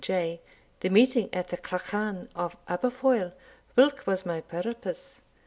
J., the meeting at the Clachan of Aberfoil, whilk was my purpose.